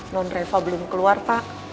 non reva belum keluar pak